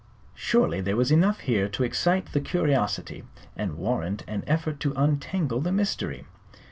Surely there was enough here to excite the curiosity and warrant an effort to untangle the mystery.